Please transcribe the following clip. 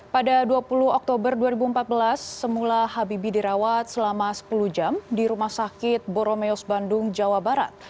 pada dua puluh oktober dua ribu empat belas semula habibie dirawat selama sepuluh jam di rumah sakit boromeus bandung jawa barat